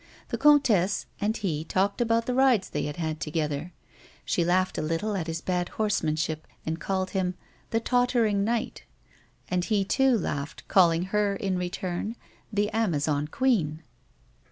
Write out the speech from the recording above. The comtesse and he talked about the rides they had had together. Slie laughed a little at his bad horsemanship, and called him " The Tottering Knight," and he too laughed, calling her in return " The Amazon Queen."